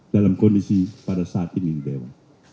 dalam kondisi pada saat ini dewa